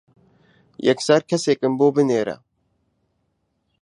یەکسەر کەسێکم بۆ بنێرە.